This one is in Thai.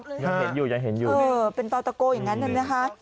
ยังเห็นอยู่ยังเห็นอยู่เออเป็นต่อตะโก้อย่างนั้นนะคะ